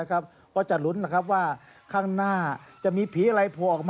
เขาเรียกว่าสวนสนุก